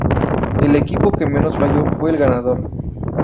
El equipo que menos falló fue el ganador.